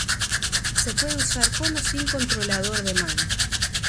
Se puede usar con o sin controlador de mano.